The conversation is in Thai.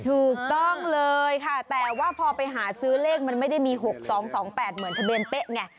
ถูกต้องเลยค่ะแต่ว่าพอไปหาซื้อเลขมันไม่ได้มี๖๒๒๘เหมือนทะเบียนเป๊ะไง